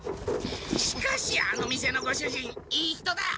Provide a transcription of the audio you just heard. しかしあの店のご主人いい人だ！